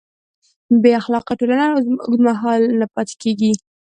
بېاخلاقه ټولنه اوږدمهاله نه پاتې کېږي.